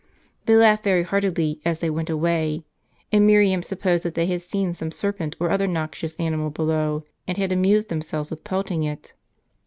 They laughed very heartily as they went away ; and Miriam supposed that they had seen some serpent or other noxious animal below, and had amused themselves with pelting it.